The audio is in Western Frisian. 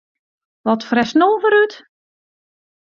Wat fretst no wer út?